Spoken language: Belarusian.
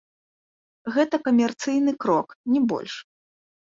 Гэта камерцыйны крок, не больш.